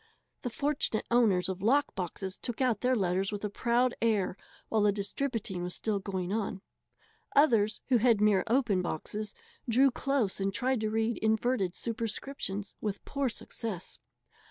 The fortunate owners of lock boxes took out their letters with a proud air while the distributing was still going on. Others, who had mere open boxes, drew close and tried to read inverted superscriptions with poor success.